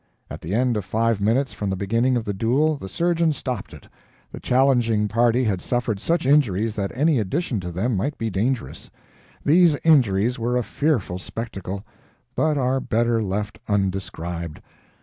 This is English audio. At the end of five minutes from the beginning of the duel the surgeon stopped it; the challenging party had suffered such injuries that any addition to them might be dangerous. These injuries were a fearful spectacle, but are better left undescribed.